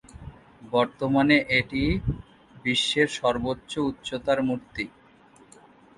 বর্তমানে এটির বিশ্বের সর্বোচ্চ উচ্চতার মূর্তি।